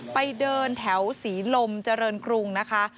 ไปเดินแถวศรีลมเจริญกรุงนะคะ